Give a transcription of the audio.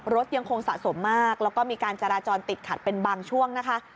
รถยังคงสะสมมากแล้วก็มีการจราจรติดขัดเป็นบางช่วงนะคะ